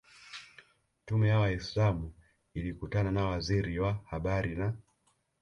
Tume ya waislamu ilikutana na Waziri wa Habari na